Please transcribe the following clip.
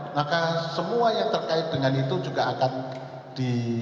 maka semua yang terkait dengan itu juga akan di